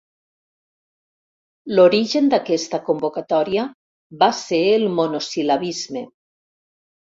L'origen d'aquesta convocatòria va ser el monosil·labisme.